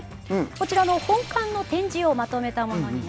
こちら本館の展示をまとめたものになります。